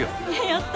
やった！